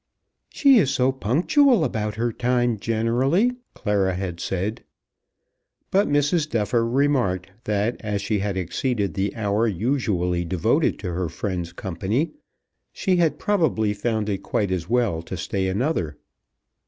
"She is so punctual about her time generally," Clara had said. But Mrs. Duffer remarked that as she had exceeded the hour usually devoted to her friend's company she had probably found it quite as well to stay another.